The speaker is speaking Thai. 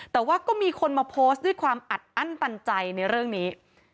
แต่ว่าก็มีคนมาโพสต์ด้วยความอัดอั้นตันใจในเรื่องนี้